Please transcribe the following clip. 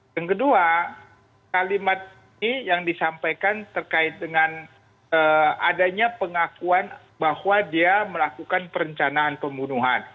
yang kedua kalimat ini yang disampaikan terkait dengan adanya pengakuan bahwa dia melakukan perencanaan pembunuhan